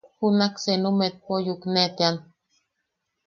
Junak senu metpo yukenetean.